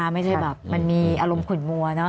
ไม่ใช่มีอารมณ์ขื่นมัว